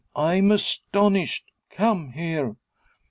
I'm astonished! Come here!"